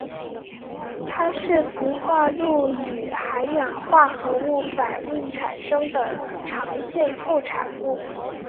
它是氟化氯与含氧化合物反应产生的常见副产物。